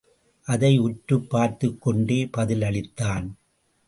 அதை உற்றுப் பார்த்துக்கொண்டே பதிலளித்தான்.